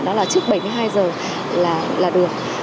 đó là trước bảy mươi hai giờ là được